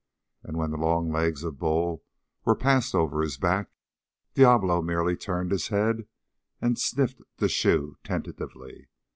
And when the long legs of Bull were passed over his back, Diablo merely turned his head and sniffed the shoe tentatively.